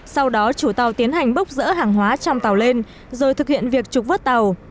sau đó chủ tàu tiến hành bốc rỡ hàng hóa trong tàu lên rồi thực hiện việc trục vớt tàu